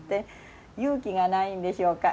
勇気がないんでしょうか。